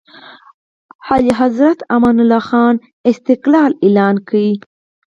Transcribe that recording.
اعلیحضرت امان الله خان استقلال اعلان کړ.